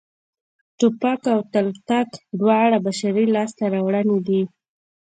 ټوپک او تلتک دواړه بشري لاسته راوړنې دي